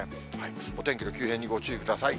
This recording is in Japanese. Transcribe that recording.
お天気の急変にご注意ください。